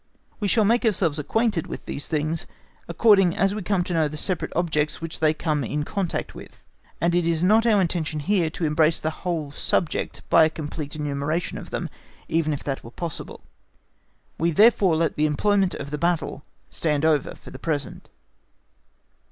We shall make ourselves acquainted with these things according as we come to know the separate objects which they come, in contact with; and it is not our intention here to embrace the whole subject by a complete enumeration of them, even if that were possible. We therefore let the employment of the battle stand over for the present.